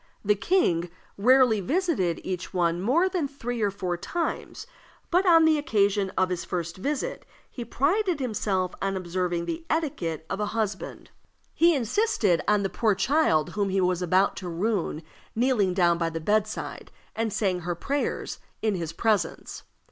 The king rarely visited each one more than three or four times; but, on the occasion of his first visit, he prided himself on observing the etiquette of a husband. He insisted on the poor child whom he was about to ruin kneeling down by the bedside, and saying her prayers in his presence.